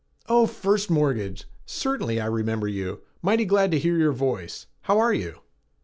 "Oh, First Mortgage! Certainly I remember you. Mighty glad to hear your voice. How are you?"